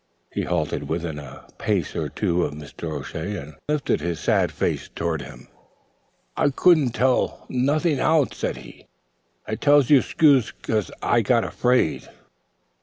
He halted within a pace or two of Mr. O'Shea, and lifted a beseeching face toward him. "I couldn't to tell nothing out," said he. "I tells you 'scuse. I'm got a fraid."